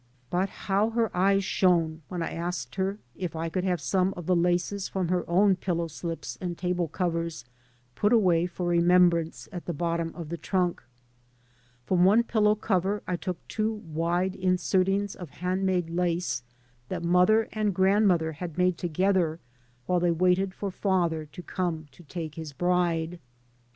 But how her eyes shone when I asked her if I could have some of the laccs from her own pillow slips and table covers put away for remembrance at the bottom of the trunk. From one pillow cover I took two wide in sertings of hand made lace that mother and grandmother bad made together ^ile they waited for father to come to take hts bride.